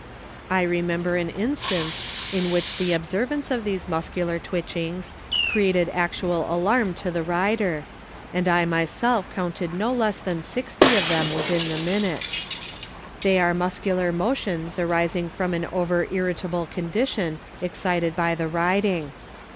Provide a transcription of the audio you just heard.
I remember an instance in which the observance of these muscular twitchings created actual alarm to the rider, and I myself counted no less than sixty of them within WHAT TO AVOID IN CYCLING. 185 the minute. They are muscular motions arising from an over irritable condition excited by the riding.